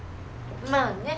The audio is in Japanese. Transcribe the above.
まあね。